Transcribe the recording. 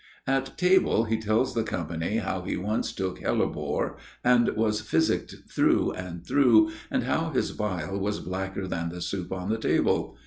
At table he tells the company how he once took hellebore and was physicked through and through, and how his bile was blacker than the soup on the table.